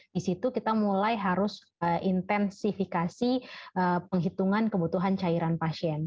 disitu kita mulai harus intensifikasi penghitungan kebutuhan cairan pasien